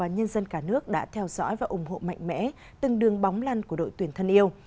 chúng ta đã theo dõi và ủng hộ mạnh mẽ từng đường bóng lăn của đội tuyển thân yêu